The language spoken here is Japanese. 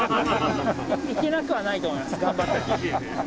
行けなくはないと思います頑張ったら。